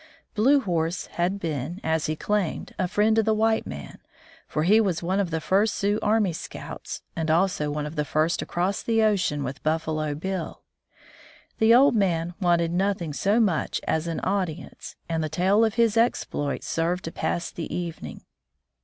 Blue Horse had been, as he claimed, a friend to the white man, for he was one of the first Sioux army scouts, and also one of the first to cross the ocean with Buffalo Bill. The old man wanted nothing so much as an au dience, and the tale of his exploits served to pass the evening.